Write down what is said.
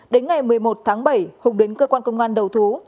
đến ngày một mươi một tháng bảy hùng đến cơ quan công an đầu thú